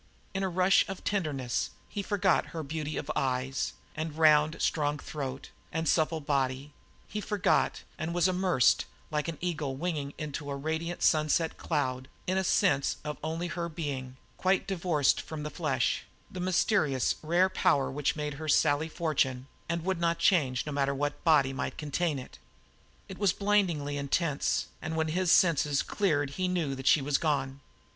In a rush of tenderness, he forgot her beauty of eyes and round, strong throat, and supple body he forgot, and was immersed, like an eagle winging into a radiant sunset cloud, in a sense only of her being, quite divorced from the flesh, the mysterious rare power which made her Sally Fortune, and would not change no matter what body might contain it. It was blindingly intense, and when his senses cleared he knew that she was gone.